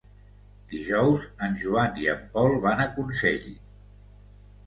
Dijous en Joan i en Pol van a Consell.